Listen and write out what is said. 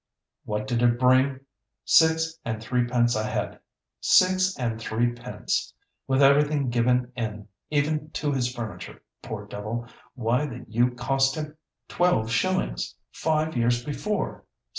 What did it bring? Six and threepence a head. Six and threepence! With everything given in, even to his furniture, poor devil! Why, the ewe cost him twelve shillings, five years before.